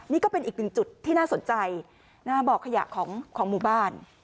นี่ก็เป็นอีกหนึ่งจุดที่น่าสนใจบ่อขยะของหมู่บ้าน